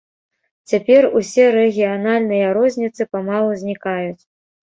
Цяпер усе рэгіянальныя розніцы памалу знікаюць.